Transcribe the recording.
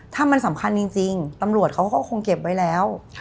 ถ้ามันสำคัญจริงตำรวจเขาก็คงเก็บไว้แล้ว